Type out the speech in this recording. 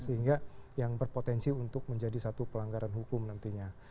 sehingga yang berpotensi untuk menjadi satu pelanggaran hukum nantinya